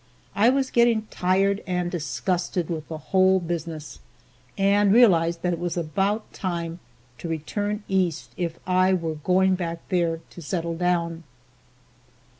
I was getting tired and disgusted with the whole business, and realized that it was about time to return East if I were going back there to settle down.